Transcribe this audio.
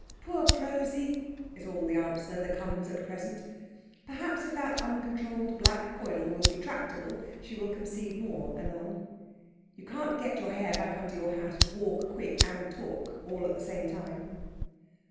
"Poor Prosy!" is all the answer that comes at present. Perhaps if that uncontrolled black coil will be tractable she will concede more anon. You can't get your hair back under your hat and walk quick and talk, all at the same time.